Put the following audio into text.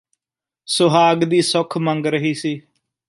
ਸੁਹਾਗ ਦੀ ਸੁੱਖ ਮੰਗ ਰਹੀ ਸੀ